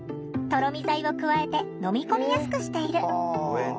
とろみ剤を加えて飲み込みやすくしている。